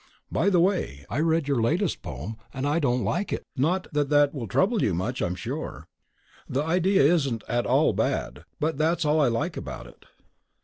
By the way, I read your latest poem and I don't like it not that that will trouble you much I'm sure. The idea isn't at all bad, but that's all I like about it.